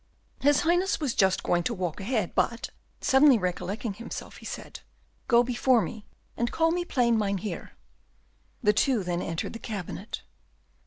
His Highness was just going to walk ahead, but, suddenly recollecting himself he said "Go before me, and call me plain Mynheer." The two then entered the cabinet.